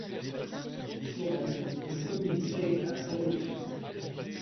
Sireuil est une commune créée à la Révolution.